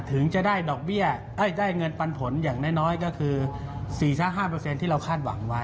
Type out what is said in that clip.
ถึงจะได้เงินปันผลอย่างน้อยก็คือ๔๕ที่เราคาดหวังไว้